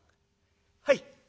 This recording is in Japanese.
「はい。